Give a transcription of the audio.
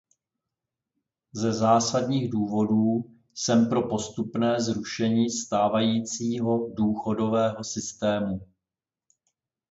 Ze zásadních důvodů jsem pro postupné zrušení stávajícího důchodového systému.